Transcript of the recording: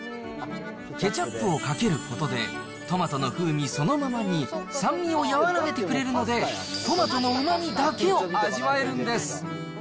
ケチャップをかけることで、トマトの風味そのままに酸味を和らげてくれるので、トマトのうまみだけを味わえるんです。